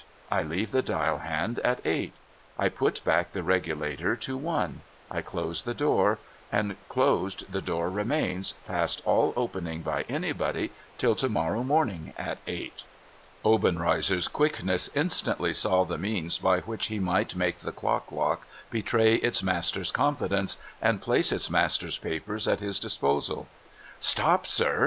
I leave the dial hand at eight ; I put back the regulator to L ; I close the door ; and closed the door remains, past all opening by anybody, till to morrow morning at eight.' Obenreizer's quickness instantly saw the means by which he might make the clock lock betray its master's confidence, and place its master's papers at his disposal. ' Stop, sir